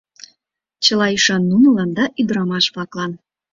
Чыла ӱшан нунылан да ӱдрамаш-влаклан.